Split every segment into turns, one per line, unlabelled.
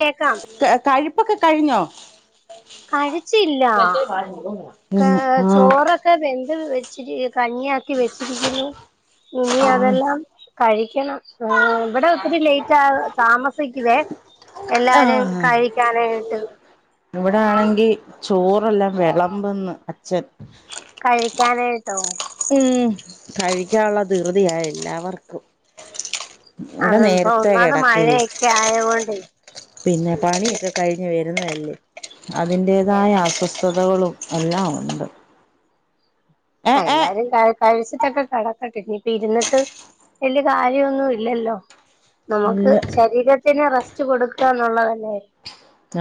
കേക്കാം
കഴുപ്പൊക്കെ കഴിഞ്ഞോ?
കഴിച്ചില്ലാ,
പ്പാരും വാങ്ങൂല,
ക്കെ ചോറൊ ക്കെവെന്ത് വെച്ചിരി കഞ്ഞി ആക്കി വെച്ചിരിക്കുന്നു ഇനി
ആഹ്
അതെല്ലാം, കഴിക്കണം, ആഹ് ഇവിടെ ഒത്തിരി ലേറ്റ് ആഹ താമസിക്കുവേ, എല്ലാരും കഴിക്കാനായിട്ട്,
ഇവിടൊണെങ്കി ചോറല്ലാം വിളമ്പന്ന് അച്ഛൻ
കഴിക്കാനായിട്ടോ
മ്മ് കഴിക്കാനുള്ള ദിർത്തിയാ എല്ലാവർക്കും ഇവിടെ
ഇപ്പൊ
നേരത്തെേ
ഒന്നാമത്
കിടക്കുവേ
മഴയൊക്കെ ആയകൊണ്ടേ
പിന്നെ പണിയൊക്കെ കഴിഞ്ഞ് വരുന്നതല്ലേ അതിന്റേതായ അസ്വസ്ഥതകളും എല്ലാം ഉണ്ട് ഏ
ആഹ
ഏ
എല്ലാരും ക കഴിച്ചിട്ടൊക്കെ കടക്കട്ടെ ഇനിയിപ്പ ഇരുന്നിട്ട് വല്യ കാര്യമൊന്നും ഇല്ലല്ലോ നമുക്ക്
ഇല്ല
ശരീരത്തിന് റെസ്റ്റ് കൊടുക്കുകന്നുള്ളതലെ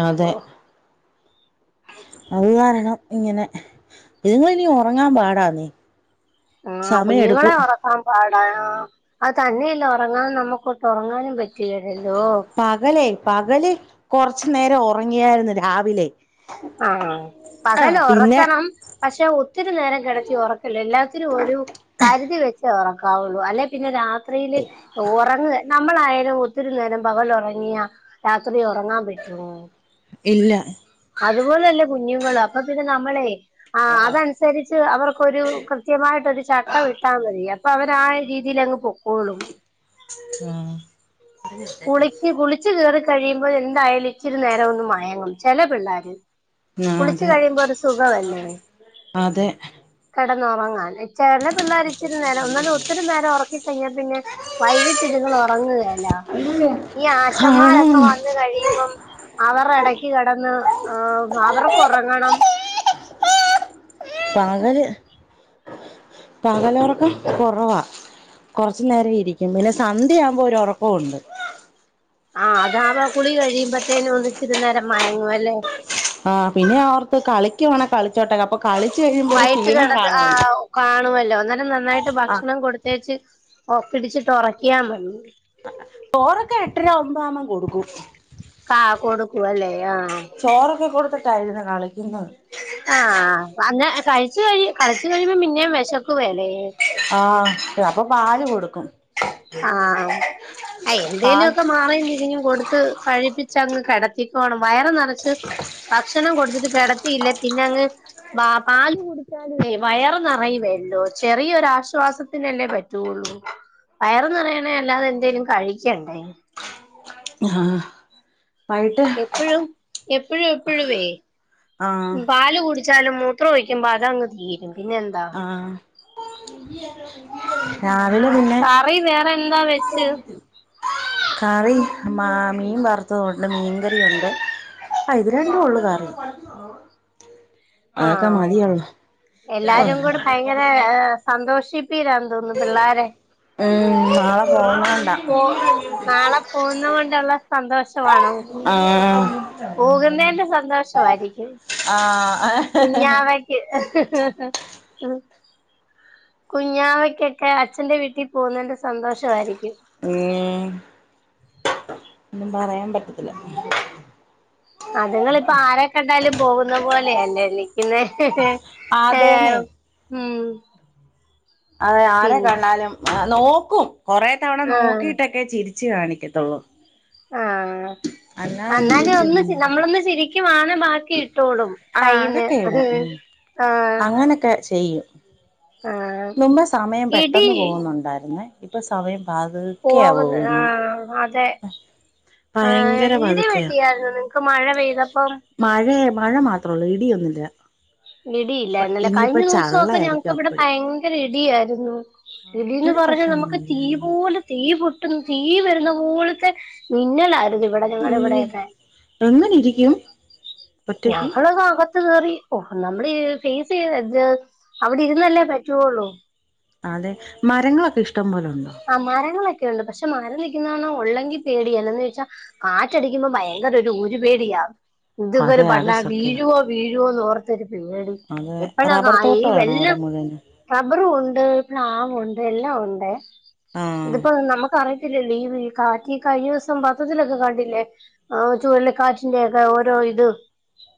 അതെ അത് കാരണം ഇങ്ങനെ ഇതുന്നും ഇനി ഉറങ്ങാൻ പാട് ആനെ
ആഹ കുഞ്ഞുങ്ങളെഒറ ക്കാൻ പാട അത് തന്നെയല്ല ഉറങ്ങാൻ നമുക്കോട്ട് ഉറങ്ങാനും പറ്റില്ലല്ലോ
പകലേ പകല് കൊറച്ചു നേരം ഉറങ്ങിയായിരുന്നു രാവിലെ
ആഹ പകൽ
ആഹ് പിന്നെ
ഉറക്കണം പക്ഷെ ഒത്തിരി നേരം കിടത്തി ഉറക്കല്ല എല്ലാത്തിനും ഒരു പരിധി വെച്ചേ ഉറക്കാവുള്ളൂ അല്ലെ പിന്നെ രാത്രിയില് ഉറങ്ങു നമ്മളായാലും ഒത്തിരി നേരം പകൽ ഉറങ്ങിയാ രാത്രി ഉറങ്ങാൻ പറ്റുമോ
ഇല്ല
അതുപോലെല്ലേ കുഞ്ഞുങൾ അപ്പൊ പിന്നെ നമ്മളെ ആ അതനുസരിച്ച് അവർക്കൊരു കൃത്യമായിട്ടൊരു ചട്ട വിട്ട ടുത്താൽ മതി അപ്പൊ അവര് ആ രീതിൽ അങ്ങ് പൊക്കോളും
ആ
കുളിച്ച് കുളിച്ച് കേറി കഴിയുമ്പൊഴ് എന്തായാലും ഇച്ചിരി നേരം ഒന്ന് മയങ്ങും ച്ചെല പിള്ളേര്
അതെ
കുളിച്ച്കഴിയുമ്പൊ ഒരു സുഖവല്ലേ
അതെ
കെടന്നുറങ്ങാന് ചെല പിള്ളേരിച്ചിരി നേരം ന്നാലും ഒത്തിരി നേരം ഉറക്കി ക്കഴിഞ്ഞാൽ പിന്നെ വൈകിട്ട് ഇതുങ്ങൾ ഉറങ്ങുകേല ഈ ആച്ചന്മാരൊക്കെ
ആണോന്ന്
വ കഴിയുമ്പം അവർടെ ഇടക്ക്കെടന്ന് അവർക്ക് ഉറങ്ങണം
പകല് പകലൊറക്കം കൊറവാ കൊറച്ച് നേരം ഇരിക്കും പിന്നെ സന്ധ്യാവുമ്പൊ ഒരു ഉറക്കമുണ്ട്
ആഹ് അതാവാ കുളി കഴിയുമ്പത്തേനും ഒന്നിച്ചിരി നേരം മയങ്ങും അല്ലെ
ആ പിന്നെഓർത്ത് കളിക്കുവാണെ കളിച്ചോട്ടേ അപ്പൊ കളിച്ച് കഴിയുമ്പൊ ഒരു ക്ഷീണം കാണോ ള്ളൂ
കാണുവല്ലോ അന്നേരം നന്നായിട്ട് ഭക്ഷണം കൊടുത്തേച്ച് ഒപ്പിടിച്ചിട്ട് ഒ റക്കിയാൻ മതി
ചോറൊക്കെ എട്ടര ഒമ്പാമ കൊടുക്കും
കാ കൊടുക്കൂ അല്ലേ ആ
ചോറൊക്കെ കൊടുത്തിട്ടായിരുന്നു കളിക്കുന്ന്
ആഹ അ കഴി കളിച്ച് കഴിയുമ്പൊ പിന്നേം വിശക്ക്അലേ
ആഹ അപ്പൊ പാല് കൊടുക്കും
ആഹ എന്തേലും
പാൽ
ഒക്കെ മാറീംതിരിഞ്ഞും കൊടുത്ത് കഴിപ്പിച്ചങ്ങ്കെട എത്തിക്കോണം വയറ് നിറച്ച് ഭക്ഷണം കൊടുത്തിട്ട് കിടത്തിയില്ലേ പിന്നെ അങ്ങ് പാല് കുടിക്കാലെ വയർ നിറയൂലല്ലോ ചെറിയൊരാശ്വാസത്തിനല്ലേ പറ്റു ള്ളൂ വയർനിറയണേ അല്ലാതെ എന്തേലും കഴിക്കണ്ടേ
ആഹ
എപ്പോഴും എപ്പൊഴും എപ്പൊഴുമേ
ആഹ്
പാല് കുടി ച്ചാലും മൂത്രോഴിക്കുമ്പൊ അതങ് തീരും പിന്നെന്താ
ആഹ രാവിലെ പിന്നെ
പയി വേറെ എന്താ വെച്ച്
കറി മാ മീൻ വറുത്തത് ഒണ്ട് മീൻകറിഒണ്ട് ആ ഇത് രണ്ടും ഉള്ളൂ കറി അതൊക്കെ
ആഹ
മതിയല്ലോ
എല്ലാരും കൂടി ഭയങ്കരെ സന്തോഷി പ്പീരാന്ന് തോന്നുന്നു പിള്ളാരെ
ഉം നാളെ പോന്നോണ്ടാ
പോ നാളെ പോന്നോണ്ടുള്ള സന്തോഷാണൊ
ആഹ്
പോകുന്നേന്റെ സന്തോഷമായിരിക്കും
ആഹ ഏ
കുഞ്ഞാവക്ക് കുഞ്ഞാവയ്ക്കൊക്കെ അച്ഛന്റെ വീട്ടിൽ പോകുന്നതിന്റെ സന്തോഷാ യിരിക്കും
ഏ മ്മ്മ് ഒന്നും പറയാൻ പറ്റത്തില്ല
അതുങ്ങളിപ്പൊ ആരെ കണ്ടാലും പോകുന്ന പോലെയല്ലേ നിക്ക്ന്നെ ഏ
അതേന്നെ
ഉം
അതെ ആരെ
പിന്നെ
കണ്ടാലും നോക്കും കൊറേ തവണ
ആഹ്
നോക്കിട്ടൊക്കെ ചിരിച്ചു കാണിക്കത്തുള്ളൂ
ആഹ
അല്ലാതൊന്നും
എന്നാലും
ചിരിച്ചു
ഒന്ന്
കാണിക്കില്ല
നമ്മളൊന്ന് ച്ചിരിക്കും ആണെ ബാ ക്കി ഇട്ടോളും
ആഹ്
ക്കൈന്ന്
അതൊക്കെ ഇടും ഉം
ആ
അങ്ങനൊക്കെ ചെയ്യും നുമ്പെ സമയം
ഇടി
പെട്ടെന്ന് പോകുന്നുണ്ടാരു ന്നെ ഇപ്പം സമയം പാത്ക്കെയാ പോവുന്ന
ആ അതെ ഹ്
ഭയങ്കര
ഇടി വെട്ടിയാര്ന്നൊ നിങ്ങക്ക് മഴ പെയ്തപ്പം
മഴെ മഴ മാത്രള്ളൂ ഇടിയൊന്നുമില്ല
ഇടിയില്ലായിരുന്നല്ലെ കഴിഞ്ഞ ദിവസൊക്കെ ഞങ്ങക്ക്
ചള്ളയായിരിക്കും
ഇവിടെ
അപ്പഴ്
ഭയങ്കര ഇടിആയിരുന്നു
ആഹ്
ഇടീന്ന്
ഇവിടെ
പറഞ്ഞാ
പക്ഷെ
നമുക്ക് തീ
അങ്ങനെയില്ലായിരുന്നു
പോലെ തീ പൊട്ടുന്ന തീ വരുന്ന പോലത്തെ മിന്നലായിരുന്നു ഇവിടെ ഞങ്ങടിവിടേക്കെ
എങ്ങനിരിക്കും
ഞങ്ങളതക ത്ത് കേറി ഓഹ് നമ്മളീ ഫേസ് ചെയ്തേച്ച് അവിടിരുന്നല്ലേ പറ്റുവോള്ളു
അതെ മരങ്ങളൊക്കെ ഇഷ്ടം പോലൊണ്ടോ
ആഹ് മരങ്ങളൊക്കെ ഒണ്ട് പക്ഷെ മരം നിക്കുന്നകാണാ ഒള്ളെങ്കി പേടിയാ എന്താന്ന് ചോയ്ച്ചാ കാറ്റടിക്കുമ്പോ ഭയങ്കര ഒരു ഊരു പേടിയാ ഇതൊക്കെ ഒരു
അതെ അത്
[unintelligible]
സത്യ
വീഴുവോ വീഴുവോന്നോർത്തൊരു പേടി
അതെ
എപ്പഴാ
റബ്ബർ
കായി ഈ
തോട്ടമാണോ അവിടെ
വെല്ലം
മുഴുവനും
റബ്ബറും ഉണ്ട് പ്ലാവൊണ്ട് എല്ലാ ഒണ്ടേ
ആഹ്
ഇതിപ്പോ നമ്മക്ക് അറിയത്തില്ലല്ലോ ഈ കാറ്റി കഴിഞ്ഞ ദിവസം പത്രത്തിലൊക്കെ കണ്ടില്ലേ ആഹ് ചൂഴലിക്കാറ്റിന്റെക്ക ഓരോ ഇത്
ഉ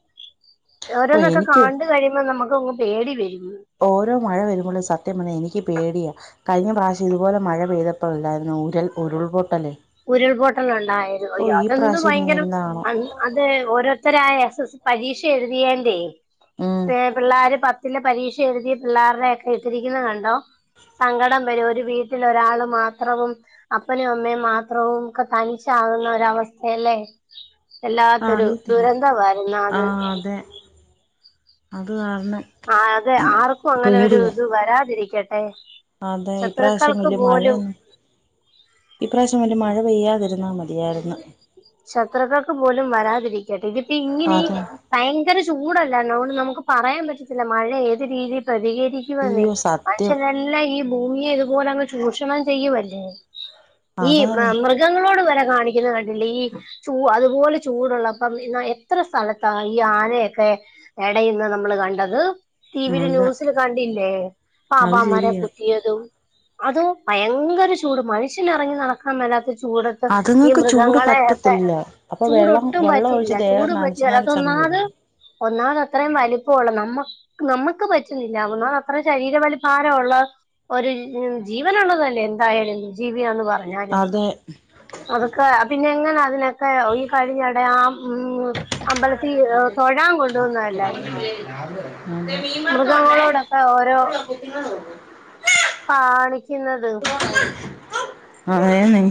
ഓരോന്നൊക്കെ കാണ്ട് കഴിയുമ്പ നമുക്കങ്ങ് പേടി വരുന്ന്
ഓരോ മഴ വരുമ്പളും സത്യം പറഞ്ഞ എനിക്ക് പേടിയാ കഴിഞ്ഞ പ്രാവശ്യം ഇതുപോലെ മഴ പെയ്തപ്പളല്ലായിരുന്നൊ ഉരൽ ഉരുൾപൊട്ടല്
ഉരുൾപൊട്ടലൊണ്ടായത്
ഓ
അയ്യോ
ഈ
അതെന്ത്
പ്രാവശ്യം ഇനി
ഭയങ്കര
എന്താണോ
അ അത് ഓരോരുത്തരായ എസ് എസ് സ് പരീക്ഷ എഴുതിയേന്റെ
ഉം
എഹ് പിള്ളേര് പ ത്തിലെ പരീക്ഷ എഴുതിയ പിള്ളേർടെ ഒക്കെ ഇട്ടിരിക്കുന്ന കണ്ടോ സങ്കടം വരും ഒരു വീട്ടിലൊരാള് മാത്രവും അപ്പനും അമ്മയും മാ ത്രവും ഒക്കെ തനിച്ചാകുന്ന ഒരവസ്ഥയല്ലേ
ആ
വെല്ലാത്തൊരു
അറിയത്തില്ല
ദുരന്തവായിരുന്നത്
ആഹ് അതെ അത് [unintelligible]
ആഹ് അതെ ആർക്കു അങ്ങനൊരു ഇത് വരാതിരിക്കട്ടെ
അതേ ഈപ്രാവശ്യം
ശത്രുക്കൾക്ക്
വല്യ
പോലും
മഴയൊന്നു ഇപ്രാവശ്യം വല്ല്യ മഴ പെയ്യാതിരുന്നാ മതിയാരുന്ന്
ശത്രുക്കക്ക് പോലും വരാതിരിക്കട്ടെ ഇതിപ്പോ ഇങ്ങനീ
അതെ
ഭയങ്കര ചൂടല്ലാരന്നൊ അതുകൊണ്ട് നമുക്ക് പറയാൻ പറ്റത്തില്ല മഴ ഏത് രീതി പ്രതികരി ക്കുവന്നെ
അയ്യോ സത്യം
മനുഷ്യരെല്ലാം ഈ ഭൂമിയെ ഇതുപോലെ അങ്ങ് ചൂഷണം ചെയ്യുവല്ലേ ഈ
അതാന്നെ
മൃഗങ്ങളോട് വരെ കാണിക്കുന്ന കണ്ടില്ലേ ഈ. ചൂ അതുപോലെ ചൂടുള്ളപ്പം എന്ന എത്ര സ്ഥലത്താ ഈ ആനയൊക്കെ എടെ ഇരുന്ന് നമ്മള് കണ്ടത്. ടി വീലെ
അതെ
ന്യൂസില് കണ്ടില്ലേ
അത്
പാപ്പാമാരെ
ശരിയാ
കുത്തിയതും. അതോ ഭയങ്കര ചൂട് മനുഷ്യൻ എറങ്ങി നടക്കാൻ മേലാത്ത ചൂടത്ത് ഈ
അതുങ്ങൾക്ക് ചൂട്
മൃഗങ്ങളെ ക്കെ
പറ്റത്തില്ല അപ്പൊ വെള്ളം
ചൂടൊട്ടും
വെള്ളം
പറ്റിയില്ല
ഒഴിച്ച് ദേഹം
ചൂട് പറ്റി
നനച്ച് നനച്ചങ്ങ്
അതിന്റാത്തൊന്നാത്
വിടണം
ഒന്നാതത്രേം വലിപ്പ ഒള്ള് നമ്മ നമ്മക്ക് പറ്റുന്നില്ലാ ഒന്നാതത്രയും ശരീരവലിഭാരം ഒള്ള ഒരു ജീവനുള്ളതല്ലേ എന്തായാലും ജീവിയാന്ന് പറ ഞ്ഞാലും
അതെ
അതൊക്കെ പിന്നെ എങ്ങനാ ഇതിനൊക്കെ ഈ കഴിഞ്ഞടയാ ഉം അമ്പല ത്തി തൊഴാൻ കൊണ്ടുവന്നതല്ലായിരുന്നൊ
അതെ
മൃഗങ്ങളോടൊക്കെ ഓരോ
[inaudible] [inaudible]
കാണിക്കുന്ന
അതേന്നെ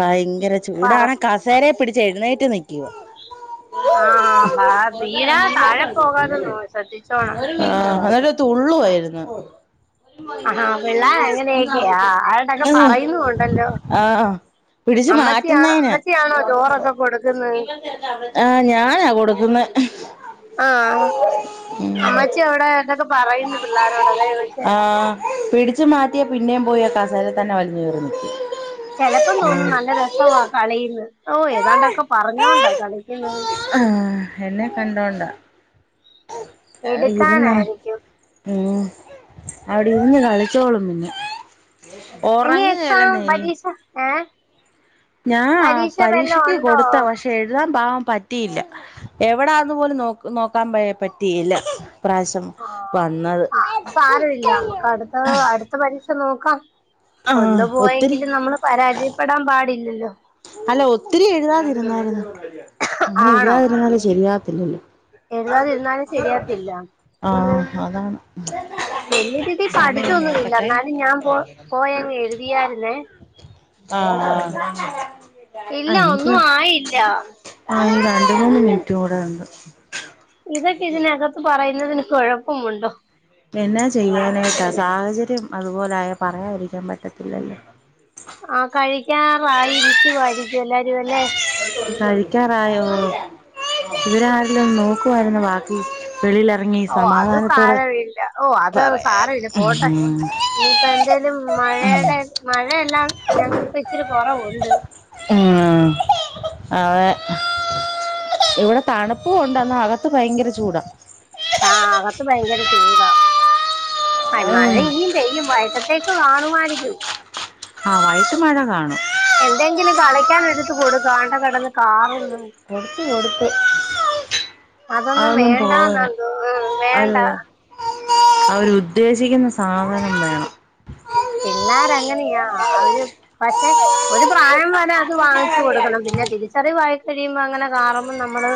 ഭയ്ങ്കര
പറ
ചൂടാണെ കാസേരെ പിടിച്ച് എഴുന്നേറ്റ് നിക്കുവ
ആഹ് ബ വീഴാതെ താഴെ പോകാതെ നോ ശ്രദ്ധിച്ചോണം.
ആഹ് അന്നട്ട് തുള്ളുവായിരുന്ന്.
ആഹാ പിള്ളേർ അങ്ങനെയൊക്കെയാ ആളുടെയൊക്കെ
അഹ്
പറയുന്നുണ്ടല്ലോ
ആഹ് പിടിച്ചു
അമ്മച്ചിയാ
മാറ്റുന്നേന്
അമ്മച്ചിയാണോ ചോറൊക്കെ കൊടുക്കുന്നത്
ആഹ് ഞാനാ കൊടുക്കുന്നെ [inaudible]
ആഹ് അമ്മച്ചി അവിടെ എന്തൊക്കെ പറയുന്നു പിള്ളേരോടൊക്കെ ചോദിച്ചേ
ആ ആ പിടിച്ചു മാറ്റിയ പിന്നേം പോയി കസേലെ തന്നെ വലിഞ്ഞ് കേറും
ചെലപ്പം തോന്നും നല്ല രസവാ കളിയന്ന് ഓ ഏതാണ്ടൊക്കെ പറഞ്ഞോണ്ടാ കളിക്കുന്നത്.
ആഹ എന്നെ കണ്ടോണ്ട ഇരുന്ന
എടുക്കാനായിരിക്കും
ഓ അവിടെ ഇരുന്ന് കളിച്ചോളും
ഇനി എക്സാം
ഉറങ്ങുകേലന്നേ ഇനി
പരീക്ഷ ഏ
ഞാൻ ആ
പരീക്ഷ വല്ലോം
പരീക്ഷയ്ക്ക്
ഉണ്ടോ
കൊടുത്ത പക്ഷെ എഴുതാൻ പാകം പറ്റിയില്ല എവിടാന്ന് പോലും നോ നോക്കാൻ പറ്റിയില്ല ഇപ്രാവശ്യം
ആഹ്
വന്നത്
ടുത്ത പരീക്ഷ നോക്കാം.
ആഹ്
ഒന്ന്
ഒത്തിരി
പോയെങ്കിലും നമ്മൾ പരാജയപ്പെടാൻ പാടില്ലല്ലോ?
അല്ല ഒത്തിരി എഴുതാതിരുന്നായിരുന്നു. അങ്ങനെ
ആണോ
എഴുതാതിരുന്നാല ശരിയാക തില്ലല്ലോ
എഴുതാതിരുന്നാലും ശരിയാത്തില്ല
ആ അതാണ്.
വലിയ രീതിയിൽ
സമയം
പഠിച്ചൊന്നുമില്ല
നോക്കട്ടെ
എന്നാലും ഞാൻ പോ പോയങ്ങ് എഴുതിയായിരുന്നേ.
ആഹ ആ
ഇല്ല ഒന്നും ആയില്ല
ആ രണ്ട് മൂന്ന് മിനിറ്റ് കൂടെ ഉണ്ട്
ഇതൊക്കെ ഇതിനകത്ത് പറയുന്നുന്നതിന് കുഴപ്പമുണ്ടോ?
എന്നാ ചെയ്യാനായിട്ടാ സാഹചര്യം അതുപോലൊയ പറയാതിരിക്കാൻ പറ്റത്തില്ലല്ലോ?
ആഹ, കഴിക്കാറായിരിക്കും എല്ലാരും അല്ലേ?
കഴിക്കാറായോ ഇവരാരിലും നോക്കുവായിരുന്നു വെളിയിലിറങ്ങി
ഓ അത്
സമാധാനത്തോടെ
സാരമില്ല ഓ അത്
പറയാൻ
സാരമില്ല പോട്ടെ
ഉം
ഇനിയിപ്പ എന്തേലും
ഉം
മഴയുടെ മഴ എല്ലാം ഞങ്ങക്കിപ്പ ഇച്ചിരി കുറവുണ്ട്
അഹ്, അതെ ഇവിടെ തണുപ്പ് ഉണ്ട് എന്നാ അകത്ത് ഭയങ്കര ചൂടാ
ആ അകത്തു ഭയങ്കര ചൂടാ മഴ
ഉം
ഇനിം പെയ്യും വൈകിട്ടേക്ക് കാണുമായിരിക്കും
ആഹ, വൈകിട്ട് മഴ കാണും.
എന്തെങ്കിലും കളിക്കാൻ എടുത് കൊടുക്ക് കാണ്ട കടന്ന് കാറുന്ന്
കൊടുത്ത് കൊടുത്ത് അതൊന്നും പോര
വേണ്ടാന്നാ തോന്നുന്നു
അത്
വേണ്ട
അവരു ഉദ്ദേശിക്കുന്ന സാധനം വേണം
പിള്ളേര് അങ്ങനെയാ അവര് പക്ഷെ ഒരു പ്രായം വരെ അത് വാങ്ങിച്ചു കൊടുക്കണം പിന്നെ തിരിച്ചറി വായിക്കഴിയുമ്പോ അങ്ങനെ കാറുമ്പോ നമ്മള്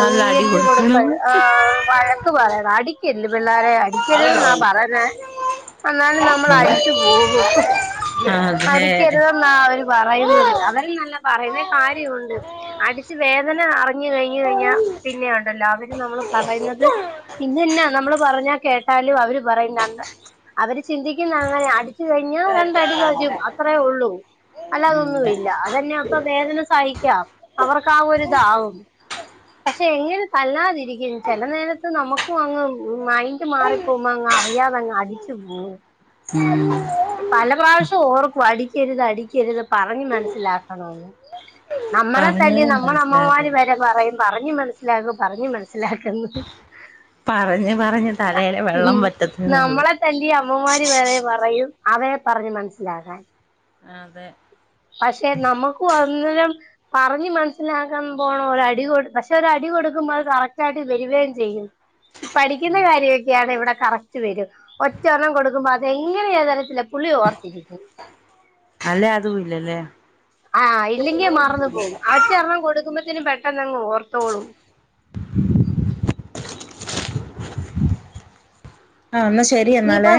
നല്ല അടി
കൊടുക്ക
കൊടുക്കണം
ആ വഴക്ക് പറയണം അടിക്കല്ലു പിള്ളേരെ അടിക്കരുത് ന്നാ പറയുന്നെ ഇന്നാലും നമ്മൾ
അതെ
അടിച്ചു പോകും.
അതെ
അടിക്കരുതെന്നാ അവര് പറയുന്നത് അവരെന്നല്ല പറയുന്നേൽ കാര്യമുണ്ട് അടിച്ച് വേദന അറിഞ്ഞു കഴിഞ് കഴിഞ്ഞാൽ പിന്നെ ഒണ്ടല്ലോ അവര് നമ്മളെ പറയുന്നത് പിന്നന്നാ നമ്മള് പറഞ്ഞാ കേ ട്ടാലും അവര് പറയും രണ്ട് അവര് ചിന്തിക്കുന്ന അങ്ങനെയാ അടിച്ചു കഴിഞ്ഞ രണ്ട് അടി തരു ക്കും അത്രേ ഉള്ളൂ അല്ലാതൊന്നും ഇല്ല അതന്നെ അപ്പൊ വേദന സഹിക്കാം അവർക്ക് ആ ഒരു ഇതാവും പക്ഷെ എങ്ങനെ തല്ലാതിരിക്കും ചെല നേരത്ത് നമുക്കും അങ്ങ് മൈൻഡ് മാറിപ്പോമ്പോ അങ്ങ് അറിയാതങ്ങ് അടിച്ചു പോവും
ആഹ്
പല പ്രാവശ്യം ഓർക്കും അടിക്കരുത് അടിക്കരുത് പറഞ്ഞു മനസ്സിലാക്കണമെന്ന് നമ്മളെ തല്ലി
പറഞ്ഞാലും
നമ്മുടെ അമ്മമാര്
മനസ്സിലാകണം
വരെ പറയും പറഞ്ഞു മനസ്സിലാക്ക് പറഞ്ഞ് മനസ്സിലാക്കെന്നു
പറഞ്ഞ് പറഞ്ഞ് തലേലെ വെള്ളം വറ്റത്തേ ഒള്ളു
തല്ലിയ അമ്മമാര് വരെ പറയും അവരെ പറഞ്ഞ് മനസ്സിലാക്കാൻ
അതെ
പക്ഷെ നമുക്കു അന്നെരം പറഞ്ഞ് മനസ്സിലാക്കാൻ പോണം ഒരു അടി കൊ പക്ഷെ ഒരു അടി കൊടുക്കുമ്പോ അത് കറക് റ്റായിട്ട് വരിവേം ചെയ്യും പഠിക്കുന്ന കാര്യമൊക്കെയാണ് ഇവിടെ കറക്റ്റ് വരും ഒറ്റെയൊരണ്ണം കൊടുക്കുമ്പോ അതെങ്ങനെയ അറിയത്തില്ല പുള്ളി ഓർത്തിരിക്കും
അല്ലേ അതും ഇല്ലല്ലേ
ആഹ് ഇല്ലെങ്കിൽ മറന്നു പോവും ആ ഒറ്റെരെണ്ണം കൊടുക്കുമ്പത്തിന് പെട്ടെന്നങ്ങ് ഓർത്തോളും
ആഹ് എന്നാൽ ശരി
ഇനിയിപ്പൊ
എന്നാലേ